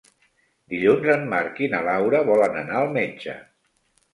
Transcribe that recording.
Dilluns en Marc i na Laura volen anar al metge.